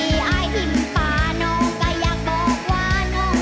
สิไปทางได้กล้าไปน้องบ่ได้สนของพ่อสำนี